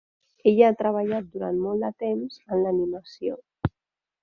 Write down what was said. Ella ha treballat durant molt de temps en l'animació.